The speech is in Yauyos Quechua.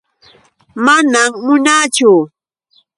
Manam munaachu.